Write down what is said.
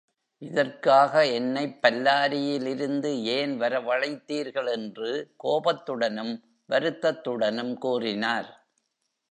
இதற்காக என்னைப் பல்லாரியிலிருந்து ஏன் வரவழைத்தீர்கள்? என்று கோபத்துடனும் வருத்தத்துடனும் கூறினார்.